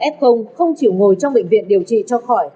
f không chịu ngồi trong bệnh viện điều trị cho khỏi